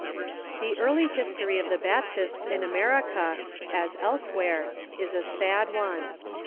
The early history of the Baptists in America, as elsewhere, is a sad one.